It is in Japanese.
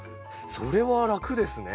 それは楽ですね。